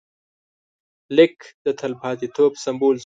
لیک د تلپاتېتوب سمبول شو.